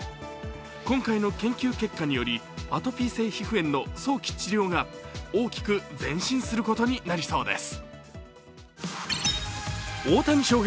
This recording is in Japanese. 今回の研究結果によりアトピー性皮膚炎の早期治療が大きく前進することになりそうです。